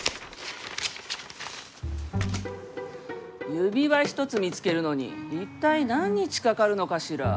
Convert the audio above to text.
指輪一つ見つけるのに一体何日かかるのかしら。